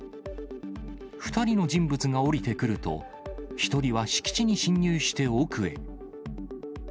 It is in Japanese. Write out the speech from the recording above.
２人の人物が降りてくると、１人は敷地に侵入して奥へ。